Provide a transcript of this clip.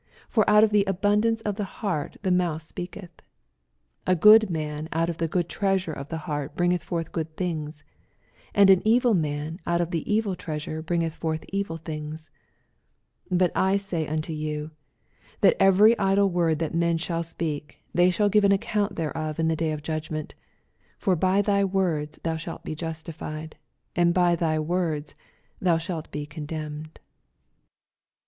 for out of the abundance of the heart the month speaketh. 85 A good man out of the good treasure of the heart bringeth forth good things : and an evil man out of the evil treasure bringeth forth evil things. 86 But I say unto vou. That every idle word that men shall speak, they shall give account thereof in the day of judgment. 87 For by thy words thou shalt be justified, and by thy words thou shall be condemned.